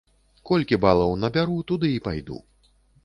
Колькі балаў набяру, туды і пайду.